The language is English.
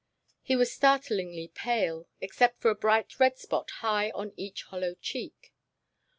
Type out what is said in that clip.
He was startlingly pale, except for a bright red spot high on each hollow cheek.